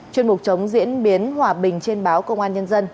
chuyên mục chống diễn biến hòa bình trên báo công an nhân dân